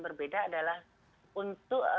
berbeda adalah untuk